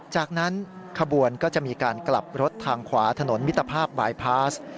จากนั้นขบวนก็จะมีการกลับรถทางขวาถนนมิตรภาพบายพาส